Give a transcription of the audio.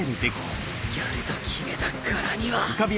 やると決めたからには